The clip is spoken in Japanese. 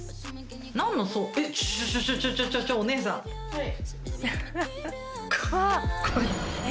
はい。